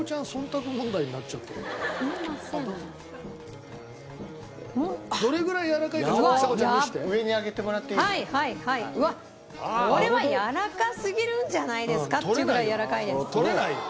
これはやわらかすぎるんじゃないですか？っていうぐらいやわらかいです。